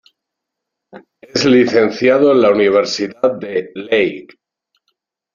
Es licenciado en la Universidad de Lehigh.